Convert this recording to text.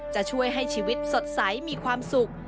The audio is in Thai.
จะช่วยให้ชีวิตสดใสมีความสุข